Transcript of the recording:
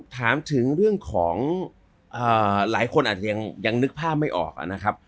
ถามถึงเรื่องของหลายคนอาจจะยังนึกภาพไม่ออกนะครับ